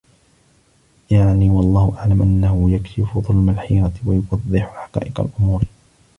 يَعْنِي وَاَللَّهُ أَعْلَمُ أَنَّهُ يَكْشِفُ ظُلْمَ الْحِيرَةِ ، وَيُوَضِّحُ حَقَائِقَ الْأُمُورِ